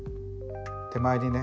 手前にね